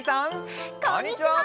こんにちは！